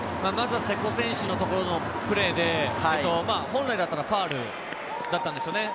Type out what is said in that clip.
瀬古選手のプレーのところで本来だったらファウルだったんですよね。